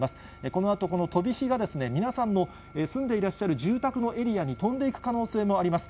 このあと、この飛び火が、皆さんの住んでいらっしゃる住宅のエリアに飛んでいく可能性もあります。